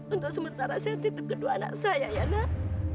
untuk sementara saya titip kedua anak saya ya nak